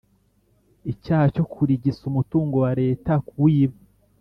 icyaha cyo kurigisa umutungo wa Leta kuwiba